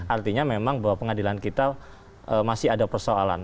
artinya memang bahwa pengadilan kita masih ada persoalan